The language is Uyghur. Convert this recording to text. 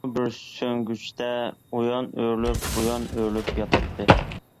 ئۇ بىر سۈڭگۈچتە ئۇيان ئۆرۈلۈپ، بۇيان ئۆرۈلۈپ ياتاتتى.